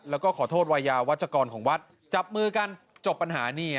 แล้วก็ขอโทษวัยยาวัชกรของวัดจับมือกันจบปัญหานี่